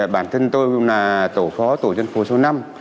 bản thân tôi là tổ phó tổ dân phố số năm